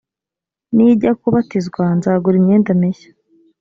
nijya kubatizwa nzagura imyenda mishya